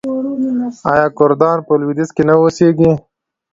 آیا کردان په لویدیځ کې نه اوسیږي؟